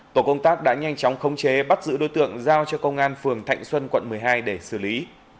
tổ công tác đã nhanh chóng khống chế bắt giữ đối tượng giao cho công an phường thạnh xuân quận một mươi hai để xử lý